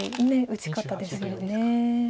打ち方ですよね。